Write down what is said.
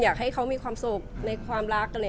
อยากให้เขามีความสุขในความรัก